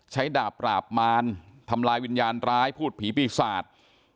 ดาบปราบมารทำลายวิญญาณร้ายพูดผีปีศาจ